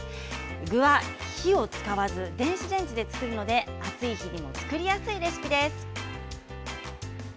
具は火を使わず電子レンジで作るので暑い日にも作りやすいレシピです。